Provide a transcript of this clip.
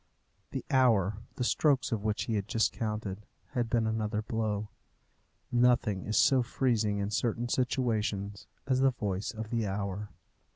The hour, the strokes of which he had just counted, had been another blow. Nothing is so freezing in certain situations as the voice of the hour.